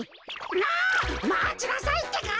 あ！まちなさいってか。